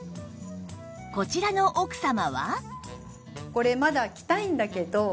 こちらの奥様は？